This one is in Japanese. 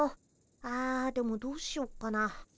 ああでもどうしよっかな。